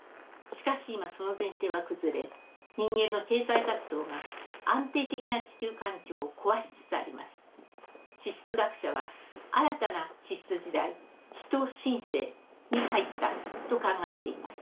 しかし今その前提は崩れ人間の経済活動が安定的な地球環境を壊しつつあります。地質学者は新たな地質時代人新世に入ったと考えています。